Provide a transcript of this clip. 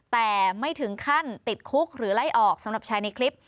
แต่ไม่ถึงขั้นติดคุกหรือไล่ออกสำหรับชายในคลิป